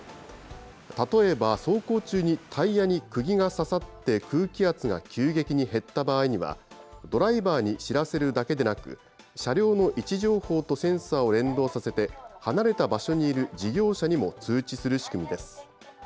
例えば走行中にタイヤにくぎが刺さって空気圧が急激に減った場合には、ドライバーに知らせるだけでなく、車両の位置情報とセンサーを連動させて、離れた場所にいる事業者にも通知する仕組みです。